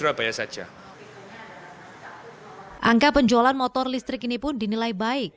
angka penjualan motor listrik ini pun dinilai baik